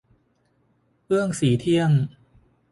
เอื้องศรีเที่ยง